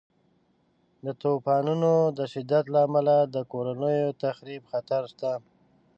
د طوفانونو د شدت له امله د کورنیو د تخریب خطر شته.